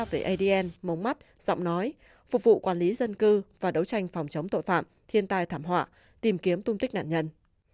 về adn mông mắt giọng nói phục vụ quản lý dân cư và đấu tranh phòng chống tội phạm thiên tai thảm họa tìm kiếm tung tích nạn nhân